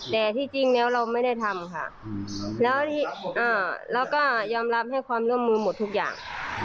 แต่ที่จริงแล้วเราไม่ได้ทำค่ะแล้วเราก็ยอมรับให้ความร่วมมือหมดทุกอย่าง